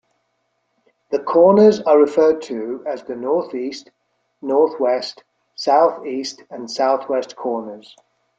The corners are referred to as the North-East, North-West, South-East and South-West corners.